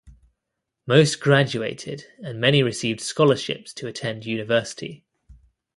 Most graduated and many received scholarships to attend university.